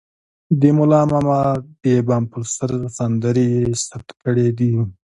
د ملا ماما د بام پر سر سندرې يې ثبت کړې دي.